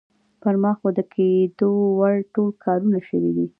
پر ما خو د کېدو وړ ټول کارونه شوي دي.